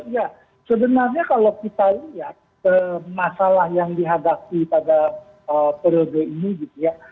ya sebenarnya kalau kita lihat masalah yang dihadapi pada periode ini gitu ya